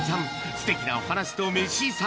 すてきなお話とメシ遺産